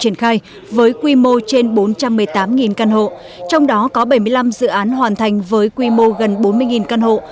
triển khai với quy mô trên bốn trăm một mươi tám căn hộ trong đó có bảy mươi năm dự án hoàn thành với quy mô gần bốn mươi căn hộ